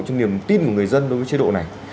cho niềm tin của người dân đối với chế độ này